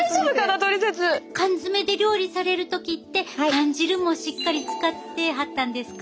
缶詰で料理される時って缶汁もしっかり使ってはったんですか？